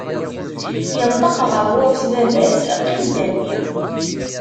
Yenṭeq ɣer ɣur-s baba-s: Qim-d a mmi.